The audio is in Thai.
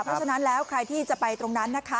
เพราะฉะนั้นแล้วใครที่จะไปตรงนั้นนะคะ